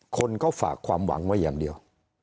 คนเขาฝากความหวังว่าอย่างเดียว